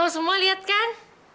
lo semua lihat kan